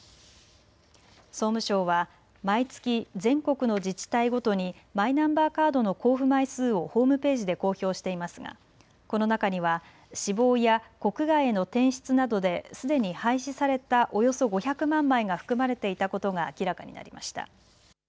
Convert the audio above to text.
総務省は毎月、全国の自治体ごとにマイナンバーカードの交付枚数をホームページで公表していますがこの中には死亡や国外への転出などですでに廃止されたおよそ５００万枚が含まれていたことが明らかになりました。